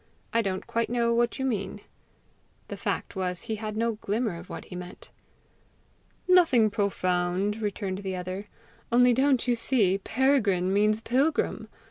"I don't quite know what you mean." The fact was he had no glimmer of what he meant. "Nothing profound," returned the other. "Only don't you see Peregrine means pilgrim?